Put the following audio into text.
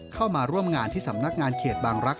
เข้ามาร่วมงานที่สำนักงานเขตบางรักษ